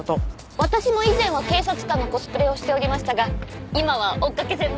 私も以前は警察官のコスプレをしておりましたが今は追っかけ専門。